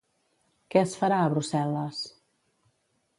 Què es farà a Brussel·les?